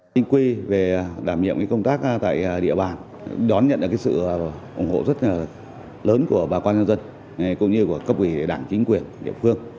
chính quy về đảm nhiệm công tác tại địa bàn đón nhận được sự ủng hộ rất lớn của bà con nhân dân cũng như của cấp ủy đảng chính quyền địa phương